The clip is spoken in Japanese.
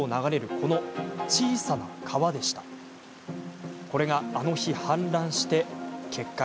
これがあの日、氾濫し決壊。